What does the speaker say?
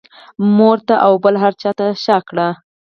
مور ته او بل هر چا ته شا کړه.